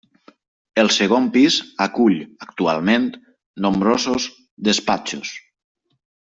El segon pis acull actualment nombrosos despatxos.